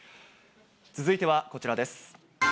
続いてはこちらです。